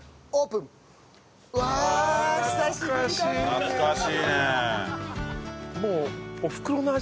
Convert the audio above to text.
懐かしい。